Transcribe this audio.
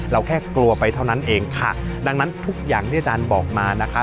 แค่กลัวไปเท่านั้นเองค่ะดังนั้นทุกอย่างที่อาจารย์บอกมานะคะ